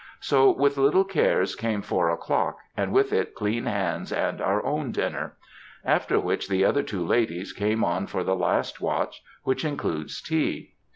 So with little cares came four o'clock, and with it clean hands and our own dinner; after which the other two ladies came on for the last watch, which included tea.